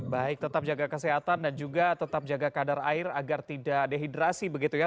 baik tetap jaga kesehatan dan juga tetap jaga kadar air agar tidak dehidrasi begitu ya